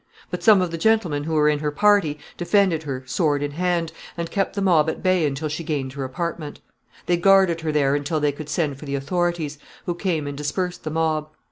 But some of the gentlemen who were in her party defended her sword in hand, and kept the mob at bay until she gained her apartment. They guarded her there until they could send for the authorities, who came and dispersed the mob.